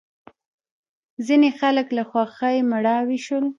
ځینې خلک له خوښۍ مړاوې شول.